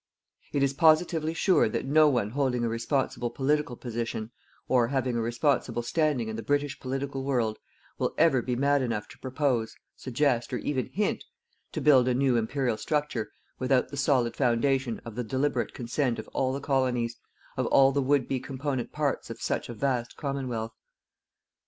It is positively sure that no one holding a responsible political position, or having a responsible standing in the British political world, will ever be mad enough to propose, suggest, or even hint, to build a new Imperial structure without the solid foundation of the deliberate consent of all the Colonies, of all the would be component parts of such a vast Commonwealth.